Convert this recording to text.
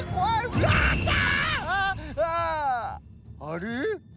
あれ？